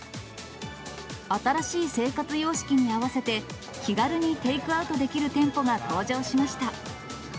新しい生活様式に合わせて、気軽にテイクアウトできる店舗が登場しました。